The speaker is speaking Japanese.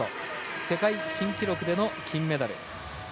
世界新記録での金メダル。